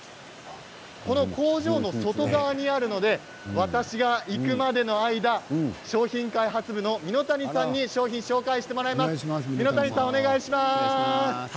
この工場の外側にあるので私が行くまでの間商品開発部の蓑谷さんに商品を紹介してもらいます。